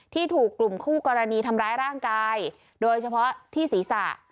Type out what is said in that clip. ถูกกลุ่มคู่กรณีทำร้ายร่างกายโดยเฉพาะที่ศีรษะ